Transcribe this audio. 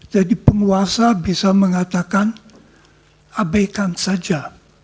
jadi penguasa bisa mengatakan abaikan saja